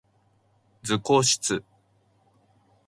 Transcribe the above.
図工室